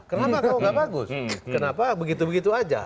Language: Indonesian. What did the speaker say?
kenapa kamu nggak bagus kenapa begitu begitu saja